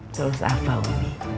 selesai apa umi